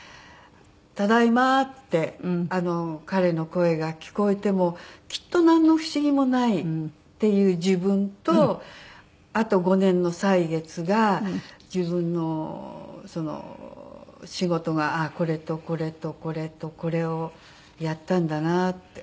「ただいま」って彼の声が聞こえてもきっとなんの不思議もないっていう自分とあと５年の歳月が自分の仕事がああこれとこれとこれとこれをやったんだなって。